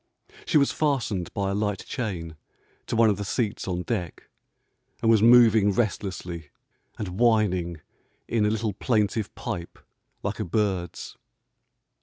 She was fastened by a light chain to one of the seats on deck, and was moving restlessly and whining in a little plaintive pipe like a bird's.